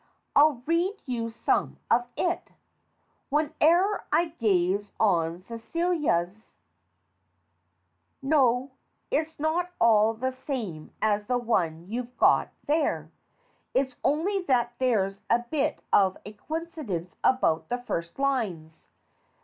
I'll read you some of it: "Whene'er I gaze on Celia's "No, it's not at all the same as the one you've got there. It's only that there's a bit of a coincidence about the first lines.